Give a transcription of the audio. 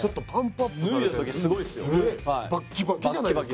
バッキバキじゃないですか体。